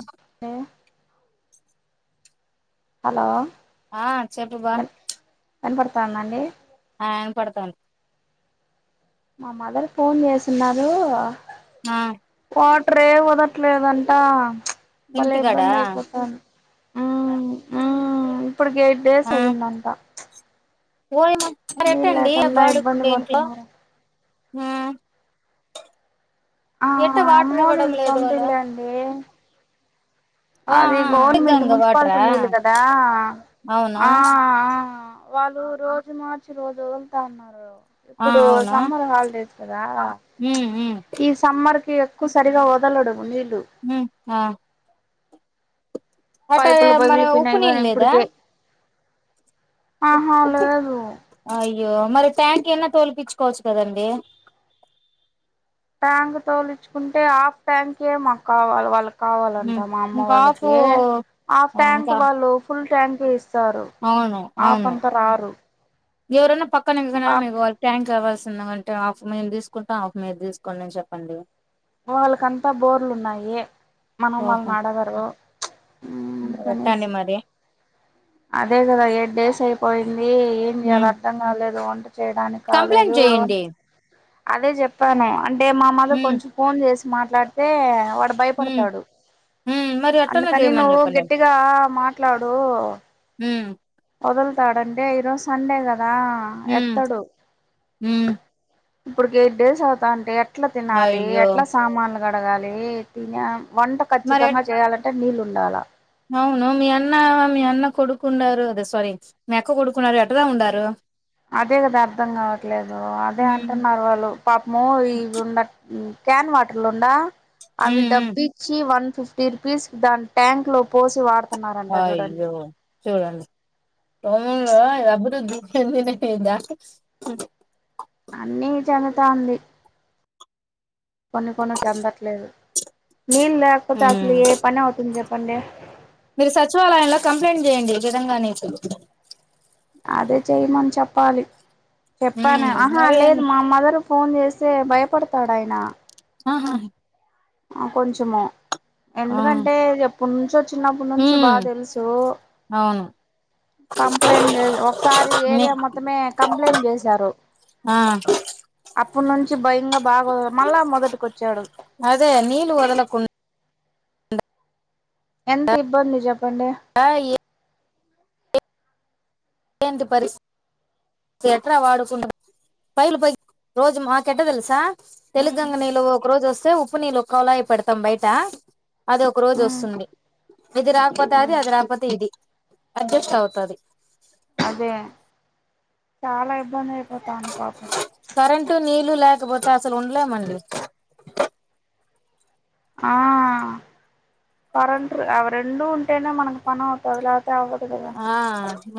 ఒక్కే hello ఆ చెప్పు బా వినపడుతుందండి ఆ వినపడుతుంది మా మదర్ ఫోన్ చేసిన్నారు ఆ వాటర్ ఏ వదట్లేదంటా బలే ఇంటికాడా ఇబ్బంది అయిపోతున్నది హమ్ హు ఇప్పుడుకి ఎయిట్ డేస్ అయ్యందంట ఓయమ్మో మరి ఎట్లా అండి లేకుండా బాడికి ఇబ్బంది ఉండే ఇంట్లో పడుతున్నారు హ ఎట్ట వాటర్ ఇవ్వడం లేదు అలా ఏ ఆ అది ఆ గవర్నమెంట్ గంగ మున్సిపాలిటీ వాటరా నీళ్ళు గద ఆ అవును ఆ ఆ వాళ్ళు రోజు మార్చి రోజు వదులుతా ఉన్నారు ఆ ఇప్పుడు అవును సమ్మర్ హాలిడేస్ కదా ఉమ్ ఉమ్ ఈ సమ్మర్ కి ఎక్కువ సరిగా వదలడు నీళ్లు ఉ ఆ వాటర్ పైపులు ఏమి మన ఉప్పు పగిలిపోయినాయి గాని నీళ్ళ లేదా ఇప్పటికే ఆహా ఉప్పు లేదు అయ్యో మరి ట్యాంక్ ఎన్న తొలిపిచ్చుకోవచ్చు కదండి ట్యాంక్ తోలిచ్చుకుంటే హాఫ్ ట్యాంక్ మాకు కావాలి వాళ్ళకి కావాలంట ఉమ్ మా అమ్మ ఇంకా హాఫ్ వాళ్ళకి ఆఫ్ ట్యాంక్ ఇంకా వాళ్ళు ఫుల్ ట్యాంక్ ఇస్త స్తారు అవును ఆఫ్ అవును అంతరారు ఎవరైనా పక్కన నిలిచో మీ గొల ట్యాంక్ కావవాల్సి ఉంద అంటే ఆఫ్ మేము తీసుకుంటాం ఆఫ్ మీద తీసుకోండి అని చెప్పండి వాళ్ళకంతా బోర్లు ఉన్నాయి మనం ఓహో వాళ్ళుని అడగరు ఎట్టండి మరి అదే కదా ఎయిట్ డేస్ అయిపోయింది ఏం చేయాలి అర్థం కాలేదు వంట చేయడానికి కంప్లట్ కాలేదు అంటే చెయ్యండి అదే చెప్పాను అంటే మా మదర్ ఉమ్ కొంచెం ఫోన్ చేసి మాట్లాడితే వాడు ఉమ్ భయపడతాడు ఉమ్ మరి ఎట్టనో అందుకని చేయమని నువ్వు చెప్పండి గట్టిగా మాట్లాడు ఉం వదులుతాడంటే ఈరోజు సండే కదా ఉమ్ ఎత్తడు ఉమ్ ఇప్పుడుకి ఎయిట్ డేస్ అవుతా అంటే ఎట్లా తినాలి అయ్యో ఎట్లా సామానులు గడగాలి తిన వంట మరి ఎట్ ఖచ్చితంగా చేయాలంటే నీళ్ళు ఉండాలా అవును మీ అన్న మీ అన్న కొడుకున్నారు అదే సారీ మీ అక్క కొడుకున్నారు ఎటదా ఉండారు అదే కదా అర్ధం కావట్లేదు అదే ఉమ్ అంటున్నారు వాళ్ళు పాప మో ఇ ఉండ క్యాన్ వాటర్ లో ఉండ అవి ఉమ్ ఉమ్ డబ్బిచ్చి వన్ ఫిఫ్టీ తీర్పిసి దాని ట్యాంక్ లో పోసి వాడత అ య్యో చూడండి అన్నీ చనుతంది. కొన్ని కొన్ని చెందట్లేదు నీళ్ళ లేకపోతే అసలు ఉమ్ ఏ పని అవుతుంది చెప్పండి మీరు సచివాలయంలో కంప్లైంట్ చేయండి విధంగా అనేసి అదే చెయ్యమని చెప్పాలి చెప్పాను ఉమ్ ఆహా మరే లేదు మా మదర్ ఫోన్ చేస్తే భయపడతాడు ఆయన ఆహా కొంచము ఆ ఎందుకంటే ఎప్పునుంచో చిన్నపటినుంచి ఉమ్ బాగా తెలుసు అవును కంప్లైంట్ చే ఒకసారి మీ ఏరియా మొత్తమే కంప్లైంట్ చేసారు. ఆ అప్పటి నుంచి భయంగా బాగ మళ్ళా మొదటికొచ్చాడు అదే నీలు వదలకుండా ఎంత ఇబ్బంది చెప్పండి ఆ ఏ ఏంటి పరిసి తి ఎట్రా వాడుకుంట పైలు ప రోజు మాక ఎట్ట తెలుసా తెలు గంగ నీళ్లు ఒక రోజు వస్తే ఉప్పు నీళ్ళు కొలాయి పెడతాం బయట అది ఒక రోజు ఉ వస్తుంది ఇది రాకపోతే అది అది రాకపోతే ఇది అడ్జస్ట్ అవుతారు అదే చాలా ఇబ్బంది అయిపోతాంది పాపం కరెంటు నీళ్లు లేకపోతే అసలు ఉండలేమండి ఆ కరెంటు అవి రెండు ఉంటేనే మనకి పని అవుతది లేకాపోతే అవదు ఆ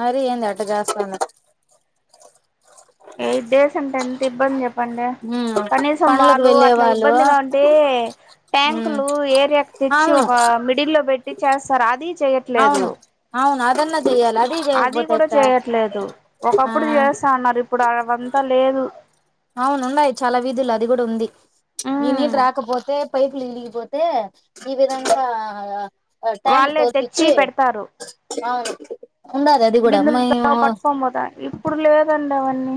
మరి ఎందే ఆటజాస్త అన్నారు ఎయిట్ డేస్ అంటే ఎంత ఇబ్బంది చెప్పండి కనీసం పనులకు వాళ్ళు వెళ్ళే అట్ల వాళ్ళు ఇబ్బందిగా ఉంటే ట్యాంకులు ఏరియాకు తెచ్చి అవును ఒక మిడిల్లో పెట్టి చేస్తారు అది చేయట్ అవును అవును అదన్న చేయాల అ అది కూడ చేయట్లేదు ఆ ఒకప్పుడు చేస్త అన్నారు ఇప్పుడు అవంతా లేదు అవునున్నాయి చాలా వీధులు అది కూడా ఉంది ఈ ఉమ్ నీళ్ళు రాకపోతే పైపులు విలిగిపోతే ఈ విధంగా ఆ ట్యాంక్ వాళ్ళే తెచ్చి తోల్పిచ్చి పెడతారు ఉండాది అది కూడా బిందులతో మైము పట్టుకొని పోతా ఇప్పుడు లేదండి అవన్నీ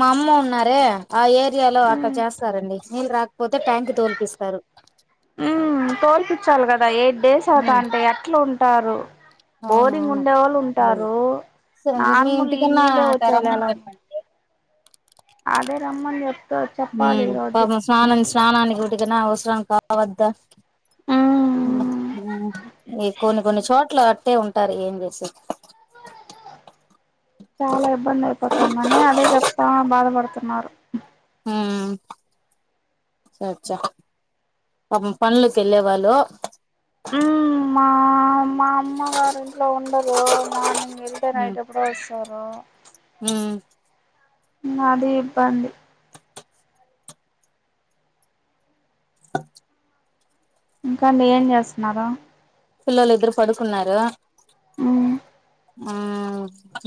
మామ్మ ఉన్నారే ఆ ఏరియాలో అట్లా ఉమ్ చేస్తారండి నీళ్ళు రాకపోతే ట్యాంక్ తోల్పిస్తారు. ఉమ్ తోల్పించాలి కదా ఎయిట్ డేస్ అవుతా ఉమ్ అంటే ఎట్లా ఉంటారు బోరింగ్ అవునవును ఉండే వాళ్ళు అది ఉంటారు సరే మీ నార్మల్ ఈ ఇంటికన్నా నీళ్లే అట్ట వచ్చేవాళ్ళు రమ్మని ఎలా చెప్పండి అదే రమ్మని చెప్పు ఉమ్ పాపం స్నాం స్నానికిటికినా అవసరం కావద్దా ఉమ్ ఈ కొన్ని కొన్ని చోట్ల అట్టే ఉం సరే ఎం చేస్తాం చాలా ఇబ్బంది అయిపోతుందని అదే చెప్తా బాధపడుతున్నారు. అ సచ్చా పాపం పనులుకి వెళ్లే వాళ్ళు ఉమ్ మా మా అమ్మగారు ఇంట్లో ఉండరు మార్నింగ్ వెళ్తే ఉమ్ నైట్ ఎప్పుడు వస్తారు ఉమ్ అదే ఇబ్బంది ఇంకా అండి ఏం చేస్తున్నారు పిల్లలు ఇద్దరు పడుకున్నారు ఉమ్ ఉ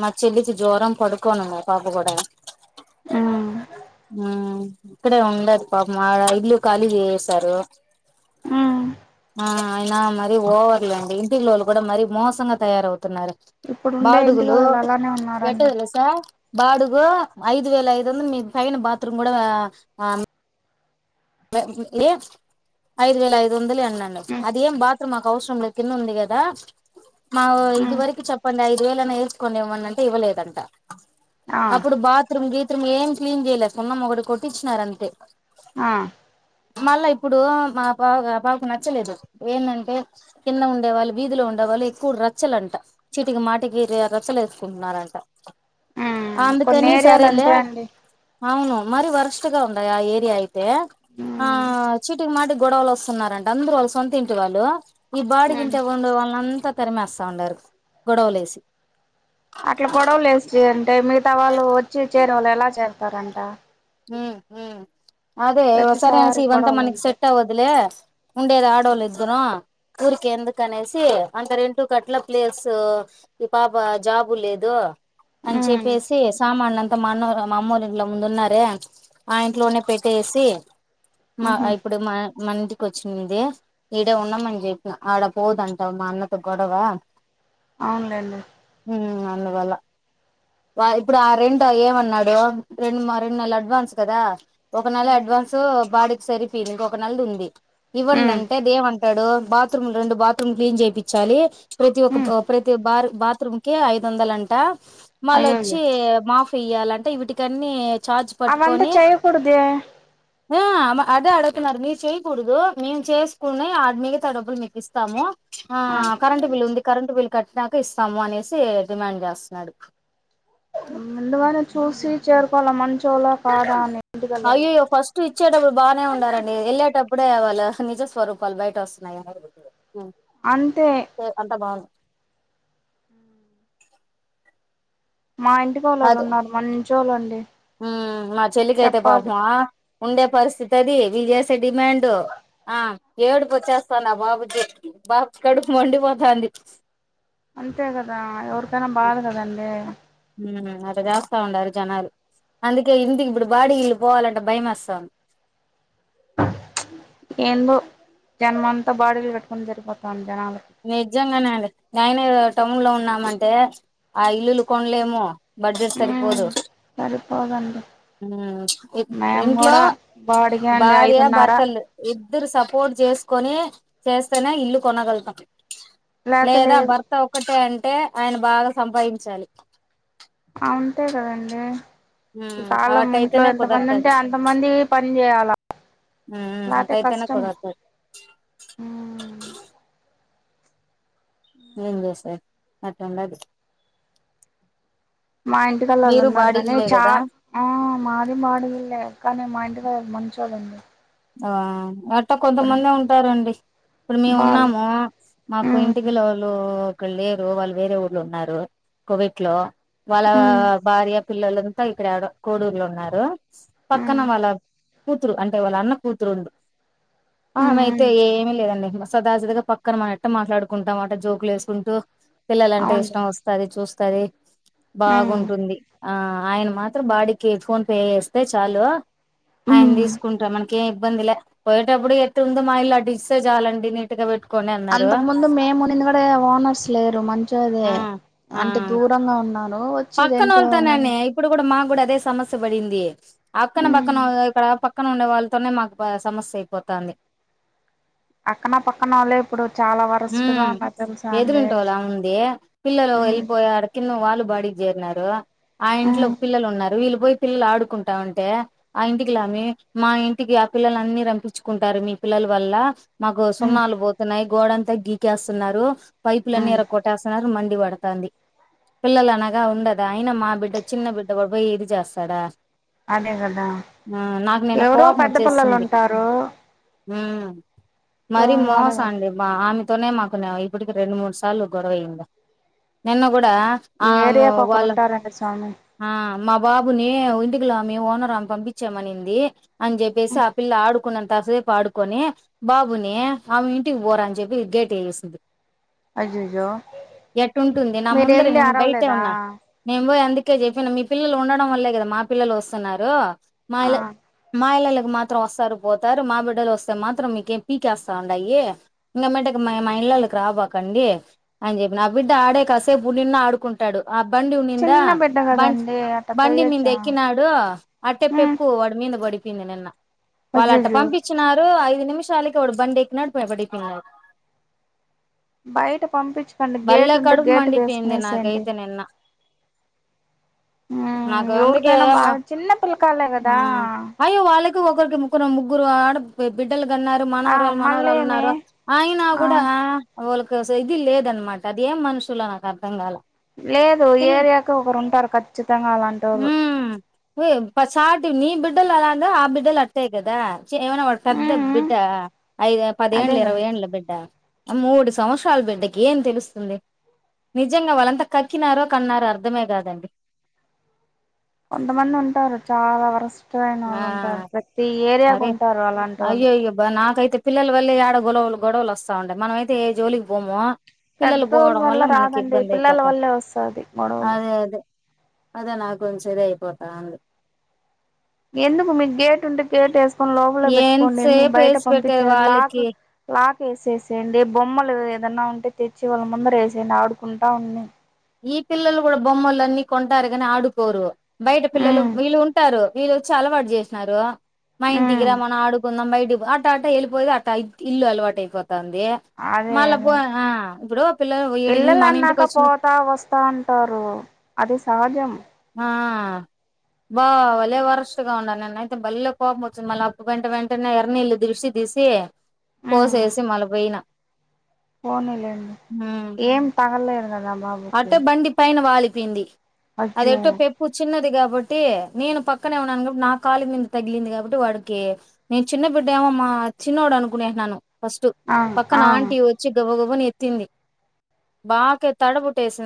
మా చెల్లికి జ్వరం పడుకోనుంది పాప కూడా ఉమ్ ఉమ్ ఇక్కడే ఉండదు పాపం మా ఇల్లు ఖాళీ చేసారు ఉ ఆ అయినా మరీ ఓవర్లండి ఇంటికిలోళ్ళు కూడా మరీ మోసంగా తయారవుతున్నారు ఇప్పుడుండే బాడుగులు ఇంటికాడోళ్ళు అలానే ఉన్నారండి ఎట్టతెలుసా బాడుగు ఐదు వేల ఐదువందలు మీ పైన బాత్రూమ్ కూడా ఏ [unintelligible] ఐదు వేల ఐదు వందలియన్నాడు అది ఏం బాత్రూమ్ మాకు అవసరమ్ లేదు కింద ఉంది కదా మా ఇది వరకి చెప్పండి ఐదు వేలన్నా ఎర్చుకుని ఇవ్వమని అంటే ఇవ్వలేదంట ఆ అప్పుడు బాత్రూమ్ గీత్రూమ్ ఏం క్లీన్ చేయలే సున్నం ఒకటి కొట్టించినార అంతే ఆ మళ్ళ ఇప్పుడు మా పా పాపకి నచ్చలేదు ఏందంటే కింద ఉండేవాళ్ళు వీధిలు ఉండేవాళ్ళు ఎక్కువ రచ్చలంట చిటికి మాటికి ఇగ రచ్చలు వేసుకుంటున్నారంట కొన్ని అందుకని ఏరియాలు సరేలే అంతే అండి అవును మరి వరుసగ ఉన్నాయి ఆ ఏరియా అయితే ఆ చీటికి మాటికి గొడవలు వస్తున్నరంట అందరూ వాళ్ళు సొంత ఇంటి వాళ్ళు ఈ బాడికింటే ఉండే వాళ్లంతా తరిమేస్తా ఉండారు గొడవలే ఏసి అట్లా గొడవలు లేస్తే అంటే మిగతా వాళ్ళు వచ్చి చేరవాళ్ళు ఎలా చేర్తరంట ఉమ్ ఉమ్ అదే ఓసారి ప్రతిసారి అనేసి అంతా గొడవలు మందికి అంటే సెట్ అవదుల్లే ఉండేది ఆడళ్ళో ఇద్దరు ఊరికే ఎందుకు అనేసి అంత రెంటూ కట్ల ప్లేస్ ఈ పాప జాబు లేదు అని చెప్పేసి సామాన్లంతా మాన్న మా అమ్మోఇంట్ల ముందు ఉన్నారు ఏ ఆ ఇంట్లోనే పెట్టేసి మ ఉహు ఇప్పుడు మ మన ఇంటికి వచ్చింది ఈడే ఉన్నామని చెప్పిన ఆడ పోదటా మా అన్నతో గొడవ అవునులేండి ఉ అందువల్ల వ ఇప్పుడు ఆ రెంట్ ఏమన్నాడు రెండు మ రెండు నెల అడ్వాన్స్ కదా ఒక నెల అడ్వాన్సు బాడికి సరిపోయింది ఇంకొ నెలది ఉంది ఇవ్వండి అంటే ఇదేం అంటాడు బాత్రూమ్ రెండు బాత్రూమ్ క్లీన్ చేపించాలి ప్రతి ఒ ఒక ప్రతి బర్ బాత్రూంకి ఐదు వందల అంట అయ్యోయ్యో మళ్ళొచ్చి మాఫ్ ఇయ్యాలంటే వీటికన్ని చార్జ్ అవంతా పట్టుకొని చేయకూడదే ఆ అదే అడుగుతున్నారు మీరు చేయ్యకూడదు మేము చేసుకునే మిగతా ఆ డబ్బులు మీకు ఇస్తాము ఆ కరెంటు బిల్ ఉంది కరెంటు బిల్ కట్టినాక ఇస్తాము అనేసి డిమాండ్ జేస్తున్నాడు ముందుగానే చూసి చేరుకోవాల మంచోలా అయ్యోయ్యో ఫస్ట్ ఇచ్చే డబ్బులు బాగానే ఉండారండి వెళ్ళే టప్పు ఇప్పుడే వాళ్ళ నిజ స్వరూపాలు బయట వస్తున్నాయి అంతే ఏ అంతా బాగుంది మా ఇంటి ఫాక్కళ్లోరు ఉన్నారు మంచి ఒళ్ళు అండి ఉమ్ మా చెల్లికయితే పాపమా ఉండే పరిస్థితి అది వీళ్ళ చేస్త పిచ్చడిమాండ్ ఆ ఏడుపు వచ్చేస్తానది బాబుకి బాబు కడుపు మండిపోతాంది అంతే కదా ఎవరికైనా బాధ కదండి ఉమ్ అట్లా జేస్తా ఉండారు జనాలు అందుకే ఇంటికి ఇప్పుడు బాడీ ఇల్లు పోవాలంటే భయం వస్తాంది ఏందో జనమంతా బాడీలు కట్టుకుని జరిపోతాంది జనాలకి నిజంగానేండి నేయనే టౌన్ లో ఉన్నామంటే ఆ ఇల్లులు కొనలేము బడ్జెట్ ఉమ్ సరిపోదు సరిపోదండి ఇం ఇ మేము ఇంట్లో కూడా బాడీకే అండి భార్య ఐదున్నర భర్తలు ఇద్దరు సపోర్ట్ చేసుకొని చేస్తేనే ఇల్లు కొనగలుగుతాం లేతే లేదా లేదు భర్త ఒకటే అంటే ఆయన బాగా సంపాదించాలి అంతే కదండి ఈ హ్మ్ కాలం ఇంట్లో అటైతేనే ఎంత మంది ఉంటే కుదరతది అంతమంది పని చేయాల ఉమ్ అట్టాయితేనే కుదర్తది ఏం చేస్తారు అట్లుండాది మా ఇంటి గాళ్లోలు మీరు ఉన్నారు కానీ బాడిగిల్లే కదా చాల ఆ మాది బాడీళ్లే కానీ మా ఇంటిగా మంచోళ్ళు అండి ఆ అట్టా కొంతమంది ఉంటారండి ఇప్పుడు మేము వాళ్ళు ఉన్నాము మాకు ఉమ్ ఇంటికిలోళ్లు ఇక్కడ లేరు వాళ్ళు వేరే ఊళ్లో ఉన్నారు కోవేట్ లో వాళ్ళ ఉమ్ భార్య పిల్లలంతా ఇక్కడ కోడూరులొ ఉన్నారు పక్కన ఉమ్ వాళ్ళ కూతురు అంటే వాళ్ళ అన్న కూతురుంది ఆమె అయితే అవును ఏమీ లేదండి సదా సీదా గా పక్క పక్కన మనం ఎట్ట మాట్లాడుకుంటం అట జోకులు వేసుకుంటూ పిల్లలంటే ఇష్టం వస్తది చూస్తది బాగుంటుంది ఆ ఆయిన మాత్రం బాడి కె ఫోన్ పే చేస్తే చాలు ఆయన్ తీసుకుంటాం కే ఇబ్బందిలే పోయేటప్పుడు ఎట్టు ఉందో మా ఇల్లు అట్టిస్తే చాలండి నీట్గా పెట్ అంతకు ముందు మేము వున్నిండి కూడా ఓనర్స్ లేరు మంచి ఓలే ఆ అంటే దూర్ గ ఉన్నారు [unintelligible] పక్కన వొళ్లతోనే ఇప్పుడు కూడా మాకు కూడా అదే సమస్య పడింది అక్కన పక్కన ఇక్కడ పక్క పక్కన ఉండే వాళ్ళతోనే మాకు బాగ సమస్య అయిపోతాంది అక్కన పక్కన వల్లే ఇప్పుడు చాలా వరస్ట్ గా ఉన్నారు తెలుసా అండి అండి పిల్లలు వెళ్ళిపోయరు కింద వాళ్ళు బాడకి చేరినారు ఆ ఇంట్లో పిల్లలు ఉన్నారు వీళ్ళు పోయి పిల్ల ఆడుకుంటా ఉంటే ఆ ఇంటికి లామి మా ఇంటికి ఆ పిల్లలు అన్ని రంపించుకుంటారు మీ పిల్లల వల్ల మాకు సున్నాలు పోతున్నాయి గోడంతా గీకేస్తున్నారు పైపులన్నీ ఇర కొట్టేస్తున్నారు మండి పడతాంది పిల్లల అ ఇగా ఉండదా ఆయిన మా బిడ్డ చిన్న బిడ్డ వడుపోయి ఏం చేస్తాడా అదే కదా ఆ నాకు నిన్న ఎవరో కోపం పెద్ద పిల్లలు వచ్చేసింది ఉంటారు ఉ మరి వాళ్ళని మోసం అడగండి అండి మా ఆమ్ తోనే మాకు నల్గుడికి రెండు మూడు సార్లు గొడవయింది నిన్న కూడా ఆ డియకి ఒకరు వాళ్ళ ఉంటారండి స్వామి ఆ మా బాబునీ ఇంటికిలో మీ ఓనర్ ఆమె పంపించం అనిపిందీ అన్ జెప్పేసి ఆ పిల్ల ఆడుకున్నంతా సేపు ఆడుకొనీ బాబునీ ఆమె ఇంటికి పోరా అని చెప్పి గేట్ ఎహేసింది అయ్యయ్యో ఎటుంటుంది నా మీరు ముందరే వెళ్ళి నేన్ బే అరవలేదా న్నా నేను బోయి అందుకే జెప్పిన మీ పిల్లలు ఉండడం వల్లే గదా మా పిల్లలు ఒసున్నారు ఆ మాఇల్లే మా ఇళ్లలకు మాత్రం ఒసరు పోతారు మా బిడ్డలు ఒసే మాత్రం మీకేం పీకేసా ఉండాయి ఇంగేంబాటే మై మా ఇండ్లలోకి రాబాకండీ ఆన్ జెప్పి నా బిడ్డ ఆడే కసేపు ఉండిన్న ఆడుకుంటా ట్టాడు ఆ బండి వునిందా చిన్న బిడ్డ బం కదండి అట్ట బండి మింద తొయ్యొచ్చా ఎక్కినాడు అట్టే హ్మ్ పెప్పు వాడి మీంద పడిపోయింది నిన్న వాళ్ళ అట్ట అయ్యయ్యో పంపించ చిన్నరూ ఐదు నిమిషాలకి వోడు బండేకినాడు పోయి పడిపో బయట పంపించుకండి గేట్ ఉంటే గేటు వేసుకునేసేయండి తే నిన్న హ్మ్ నాకు అందుకే ఎవరికైనా వ బాగా చిన్న పిల్లకాయలే హు కదా అయ్యో వాళ్ళకి ఒకర్కి ఒకరం ముగ్గురు ముగ్గురు ఆడ బి బిడ్డలు గన్న ఆ మనవరాలు మనవరాలు మళ్ళేమి ఉన్నారు ఆయినా ఆ కూడా వోళ్ళకి ఆ సీగిల్ లేద్ అన్మాట అది ఏం మనుషులో నాకు అర్ధం కాల లేదు పిల్ ఏరియాకి ఒకరు ఉంటారు ఖచ్చితంగా అలాంటి ఒళ్లు హే ప సాటి నీ బిడ్డలు అలాగా ఆ బిడ్డలు అట్టే కదా ఏవైనా వాడ్ పెద్ద హ్మ్ బిడ్డా ఐదు అదే పదేండ్లు కదా ఇరవై ఏండ్లు బిడ్డా మూడు సంవత్సరాల బిడ్డకి ఏం తెలుస్తుంది నిజంగా వాలంత కక్కినారో కన్నారో అర్ధమే కాదండి కొంతమంది ఉంటారు చాలా వరస్ట్ అయిన ఆ వాళ్ళు ఉంటారు ఏరియాకు మరే ఉంటారు అలాంటోళ్ళు అయ్యయ్యో అబ్బా నాకైతే పిల్లల వల్లే ఏడ గొడవలు గొడవలు ఒసా ఉండై మనమైతే ఏ జోలికి పోమొ పిల్లలు పెద్దోళ్ళ బోవడం వల్ల మనకి రాదండి ఇబ్బంది పిల్లల అయిపోతా వల్లే వస్తది గొడవలు అదే అదే అదే నాకు కొంచం ఇది అయిపోతాంది ఎందుకు మీక్ గేట్ ఉంటే గేట్ ఎస్కొని లోపలే పెట్టుకోండి ఎందుకు ఎంతసేపు బయట వేసి పంపించ పెట్టేది లాకు వాళ్ళకి లాకే సేసేయండి బొమ్మలు ఏదన్నా ఉంటే తెచ్చి వాళ్ళ ముందర ఎసేయండి ఆడుకుంటా ఉడి ఈ పిల్లలు కూడా బొమ్మలున్ని కొంటారు గానీ ఆడుకోరూ బయట పిల్లలు ఉమ్ వీళ్ళు ఉంటారు వీళ్ళుచ్చ అలవాటు జెస్నారూ మా ఇంటికి ఉమ్ రా మనం ఆడుకుందాం బైటి పో అట్ట అట్ట ఎళ్ళిపోయి అట్ట ఇల్లు అలవాటు అయిపోతంది అదే మళ్ళా పో అదే ఆ ఇప్పుడూ పిల్లలు ఇడి మన ఇంటికి ఒచ్చినప్పు త అంటారు అది సహజం ఆ బా వలే వరస్ట్ గా ఉన్నారు నిన్నైతే బళ్లే కోపం ఒచ్చింది మళ్ళీ అప్పు వెంట వెంటనే ఎర్రనీళ్లు దృష్టి తీసి పోసేసి మల్లబోయినా పోనీలెండి ఏం తగలెదుగద బాబు కి అటే బండి పైన వాలిపోయింది అది అయ్యో ఎటో పె ఇప్పు చిన్నది కాబట్టీ నేను పక్కనే ఉన్నాను కాబ నా కాలి మింద తగిలింది కాబట్టి వాడికీ నేన్ చిన్న బిడ్డ ఏమో మా చిన్నోడు అనుకునేన్నాను ఫస్టు ఆ పక్కన ఆ ఆంటీ ఒచ్చి గబ గబుని ఎత్తింది బాకే తడబుట్టేసింది